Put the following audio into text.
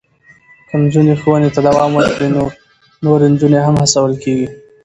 که نجونې ښوونې ته دوام ورکړي، نو نورې نجونې هم هڅول کېږي.